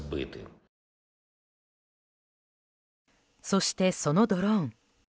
そして、そのドローン。